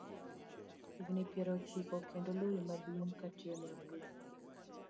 Higni piero ochiko kendo lori maduong kotiyo ne Abdul.